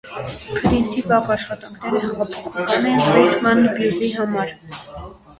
Փրինսի վաղ աշխատանքները հեղափոխական էին ռիթմ ընդ բլյուզի համար։